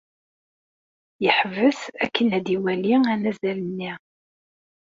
Yeḥbes akken ad iwali anazal-nni.